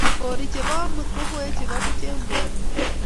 borii che bo amut ko koe che bo buch eng borie